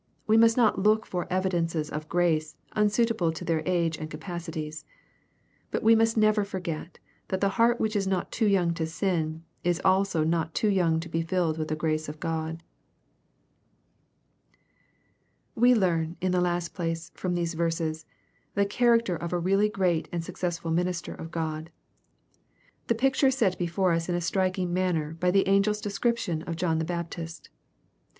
We must not look for evidences of grace, unsuitable to their age and capacities. But we must never forget that the heart which is not too young to sin, is also not too young to be filled with the grace of God. We learn, in the last place, from these verses, the character of a really great and successful minister of God. The picture is set before us in a striking manner by the angel's description of John the Baptist.